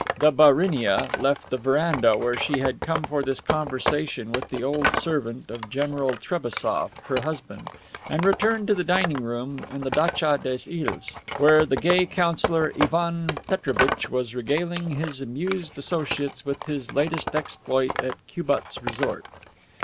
The "barinia" left the veranda, where she had come for this conversation with the old servant of General Trebassof, her husband, and returned to the dining room in the datcha des Iles, where the gay Councilor Ivan Petrovitch was regaling his amused associates with his latest exploit at Cubat's resort.